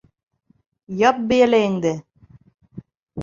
Яп бейәләйеңде!